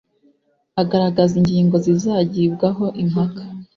agaragaza ingingo zizagibwaho impaka